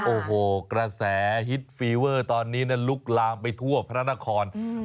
โอ้โหกระแสฮิตฟีเวอร์ตอนนี้ลุกลามไปทั่วพระนคร